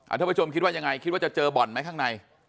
ท่านผู้ชมคิดว่ายังไงคิดว่าจะเจอบ่อนไหมข้างใน